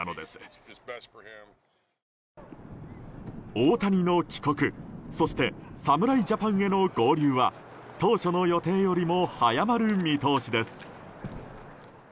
大谷の帰国そして、侍ジャパンへの合流は当初の予定よりも早まる見通しです。